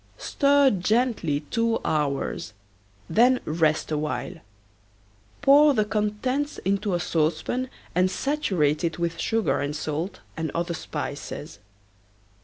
Stir gently two hours, then rest a while. Pour the contents into a saucepan and saturate it with sugar and salt and other spices.